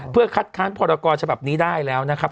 เพื่อคัดค้านพรกรฉบับนี้ได้แล้วนะครับ